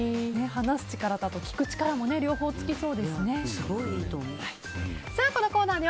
話す力と聞く力も両方つきそうですね。